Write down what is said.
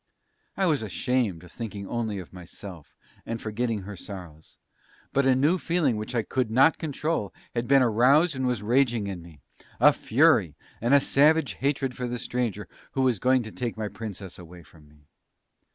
I was ashamed at thinking only of myself, and forgetting her sorrows; but a new feeling which I could not control had been aroused and was raging in me a fury, and a savage hatred for the stranger who was going to take my Princess away from me.